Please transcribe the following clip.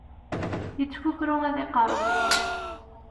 Ittkukru ad iqerreb ɣur-s.